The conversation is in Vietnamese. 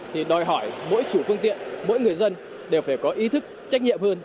thì đòi hỏi mỗi chủ phương tiện mỗi người dân đều phải có ý thức trách nhiệm hơn